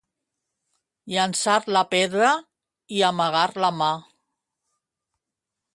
Llençar la pedra i amagar la mà